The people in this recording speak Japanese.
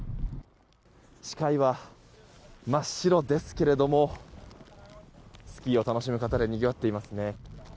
視界は真っ白ですけれどもスキーを楽しむ方でにぎわっていますね。